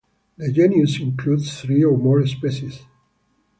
The genus includes three or more species.